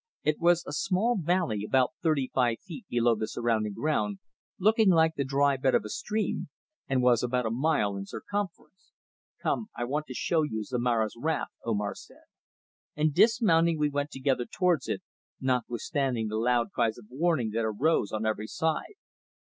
It was a small valley about thirty five feet below the surrounding ground, looking like the dry bed of a stream, and was about a mile in circumference. "Come, I want to show you Zomara's Wrath," Omar said, and dismounting we went together towards it, notwithstanding the loud cries of warning that arose on every side.